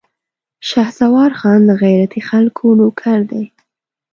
شهسوار خان د غيرتي خلکو نوکر دی.